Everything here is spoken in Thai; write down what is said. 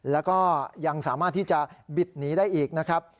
แล้วก็ยังสามารถที่จะบิดหนีได้อีกนะครับ